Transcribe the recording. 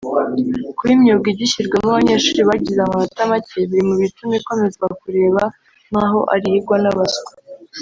Kuba imyuga igishyirwamo abanyeshuri bagize amanota macye biri mu bituma ikomeza kurebwa nk’aho ari iyigwa n’abaswa